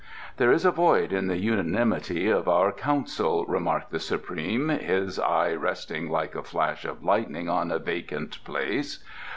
"There is a void in the unanimity of our council," remarked the Supreme, his eye resting like a flash of lightning on a vacant place.